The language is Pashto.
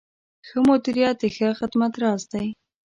ښه مدیریت د ښه خدمت راز دی.